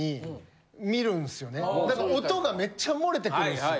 音がめっちゃ漏れてくるんすよ。